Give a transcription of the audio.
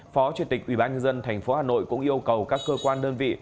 phó chủ tịch ủy ban nhân dân thành phố hà nội cũng yêu cầu các cơ quan đơn vị